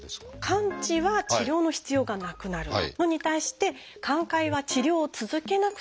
「完治」は治療の必要がなくなるのに対して「寛解」は治療を続けなくてはならない。